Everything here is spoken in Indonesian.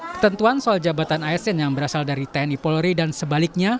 ketentuan soal jabatan asn yang berasal dari tni polri dan sebaliknya